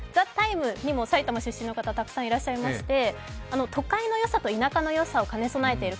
「ＴＨＥＴＩＭＥ，」にも埼玉出身の方、たくさんいらっしゃいまして都会の良さと田舎の良さを兼ね備えている。